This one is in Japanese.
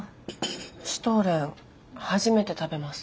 シュトーレン初めて食べます。